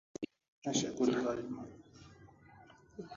Dube kuwa mwanamziki wa rege maarufu Afrika Kusini